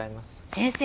先生！